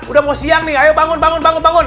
udah mau siang nih ayo bangun bangun bangun bangun